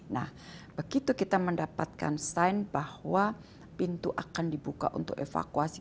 nah begitu kita mendapatkan tanda bahwa pintu akan dibuka untuk evakuasi